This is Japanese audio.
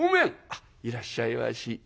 「あっいらっしゃいまし」。